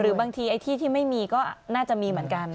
บางทีไอ้ที่ที่ไม่มีก็น่าจะมีเหมือนกัน